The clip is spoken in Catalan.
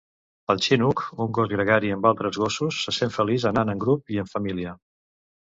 El "chinook", un gos gregari amb altres gossos, se sent feliç anant en grup i en família.